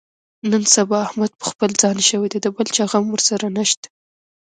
نن سبا احمد په خپل ځان شوی دی، د بل چا غم ورسره نشته.